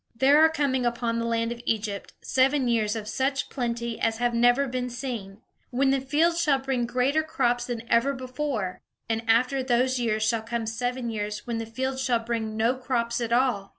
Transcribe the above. There are coming upon the land of Egypt seven years of such plenty as have never been seen; when the fields shall bring greater crops than ever before; and after those years shall come seven years when the fields shall bring no crops at all.